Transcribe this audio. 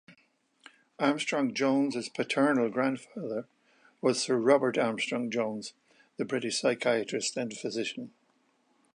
Armstrong-Jones's paternal grandfather was Sir Robert Armstrong-Jones, the British psychiatrist and physician.